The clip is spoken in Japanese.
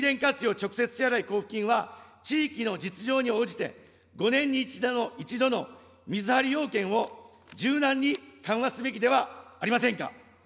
直接支払交付金は、地域の実情に応じて、５年に１度の水張り要件を柔軟に緩和すべきではありませんか。